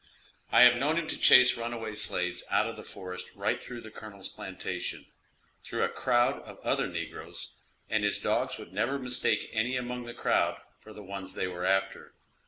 I have known him to chase runaway slaves out of the forest right through the colonel's plantation, through a crowd of other negroes, and his dogs would never mistake any among the crowd for the ones they were after.